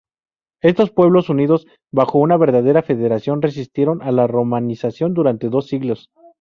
Estos pueblos, unidos bajo una verdadera federación, resistieron a la romanización durante dos siglos.